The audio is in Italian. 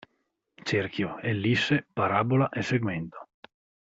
Cerchio, ellisse, parabola e segmento.